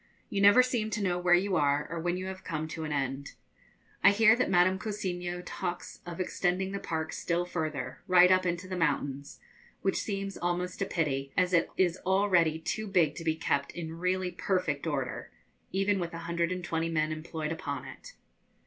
You never seem to know where you are, or when you have come to an end. I hear that Madame Cousiño talks of extending the park still further, right up into the mountains, which seems almost a pity, as it is already too big to be kept in really perfect order, even with a hundred and twenty men employed upon it.